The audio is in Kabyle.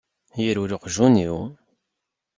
Yerwel uqjun-iw.